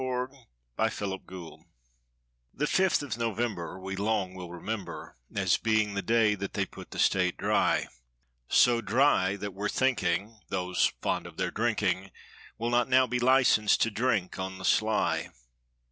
THE OLD STATE IS DRY The fifth of November, we long will remember As being the day that they put the State dry; So dry that we're thinking, those fond of their drinking Will not now be licensed to drink on the sly.